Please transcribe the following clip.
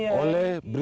ayah sang yawambulu